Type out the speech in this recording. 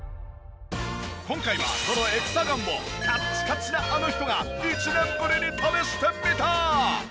今回はこのエクサガンをカッチカチなあの人が１年ぶりに試してみた！